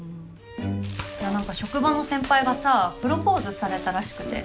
何か職場の先輩がさプロポーズされたらしくて。